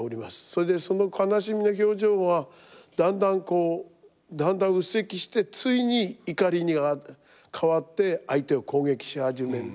それでその悲しみの表情はだんだん鬱積してついに怒りに変わって相手を攻撃し始める。